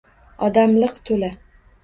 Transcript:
Odam liq to‘la.